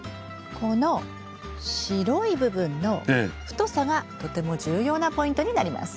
この白い部分の太さがとても重要なポイントになります。